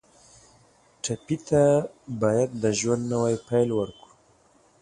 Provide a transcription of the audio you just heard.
ټپي ته باید د ژوند نوی پیل ورکړو.